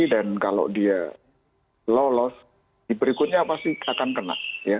dan kalau dia lolos di berikutnya pasti akan kena